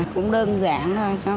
cũng đơn giản thôi